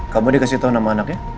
kamu dikasih tahu nama anaknya